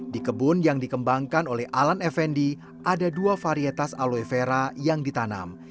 di kebun yang dikembangkan oleh alan effendi ada dua varietas aloevera yang ditanam